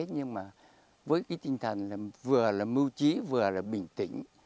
nhưng mà với cái tinh thần là vừa là mưu trí vừa là bình tĩnh